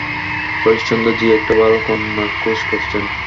হরিশচন্দ্র জি একটা ভাল কন্যার খোঁজ করছেন।